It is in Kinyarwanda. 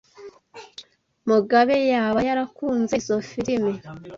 Mugabe yaba yarakunze izoi firime.